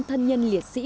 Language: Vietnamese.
thân nhân liệt sĩ